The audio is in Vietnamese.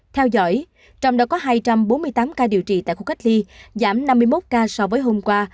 theo dõi trong đó có hai trăm bốn mươi tám ca điều trị tại khu cách ly giảm năm mươi một ca so với hôm qua